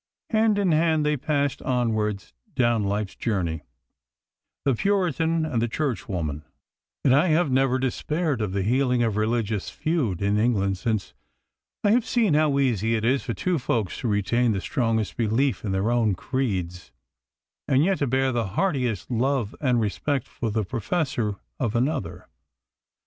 Hand in hand they passed onwards down life's journey, the Puritan and the Church woman, and I have never despaired of the healing of religious feud in England since I have seen how easy it is for two folks to retain the strongest belief in their own creeds, and yet to bear the heartiest love and respect for the professor of another.